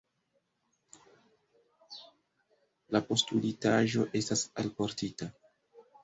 La postulitaĵo estas alportita.